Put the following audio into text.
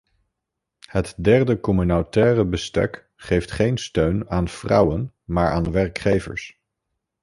Het derde communautaire bestek geeft geen steun aan vrouwen maar aan werkgevers.